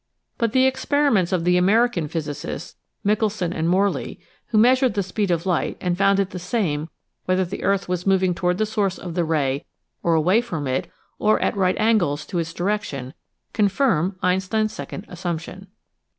But the experiments of the American physicists, Michelson and Morley, who measured the speed of light and found it the same whether the earth .was moving toward the source of the ray or away from It, or at right angles to its direction, confirm Einstein's second assumption.